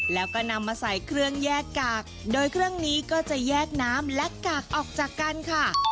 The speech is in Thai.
แล้วก็นำมาใส่เครื่องแยกกากโดยเครื่องนี้ก็จะแยกน้ำและกากออกจากกันค่ะ